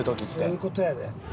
そういう事やで。